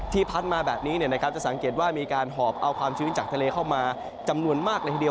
พัดมาแบบนี้จะสังเกตว่ามีการหอบเอาความชื้นจากทะเลเข้ามาจำนวนมากเลยทีเดียว